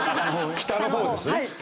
北の方ですね。